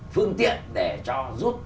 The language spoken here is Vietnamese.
phương tiện để cho rút